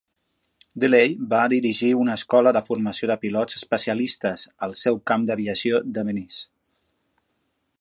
DeLay va dirigir una escola de formació de pilots especialistes al seu camp d'aviació de Venice.